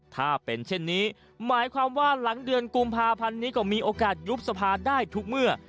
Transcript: ถ้าเป็นเช่นนี้หมายความว่าหลังเดือนกุมภาพันธ์นี้ก็มีโอกาสยุบสภาได้ทุกเมื่อ